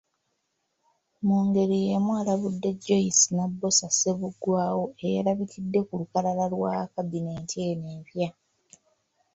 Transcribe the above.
Mu ngeri y’emu alabudde Joyce Nabbosa Ssebuggwawo eyalabikidde ku lukalala lwa kabineeti eno empya.